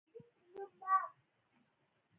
خولۍ د سنتو له مخې هم کارېږي.